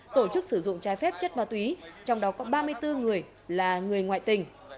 tổ chức sử dụng trái phép chất ma túy trong đó có ba mươi bốn người là người ngoại tình